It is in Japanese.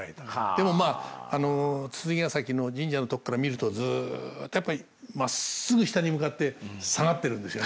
でもまああの躑躅ヶ崎の神社のとこから見るとずっとやっぱりまっすぐ下に向かって下がってるんですよね。